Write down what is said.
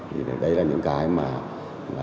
thì đây là những cái mà